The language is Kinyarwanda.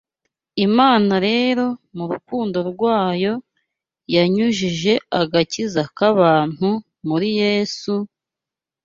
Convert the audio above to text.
Imana rero, mu rukundo rwayo, yanyuije agakiza k’abantu muri Yesu,